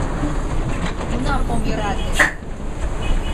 Кунам ом йӧрате!